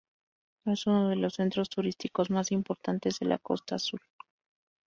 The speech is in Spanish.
Es uno de los centros turísticos más importantes de la Costa Azul.